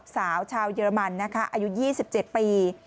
สาวชาวเยอรมันนะคะอายุ๒๗ปี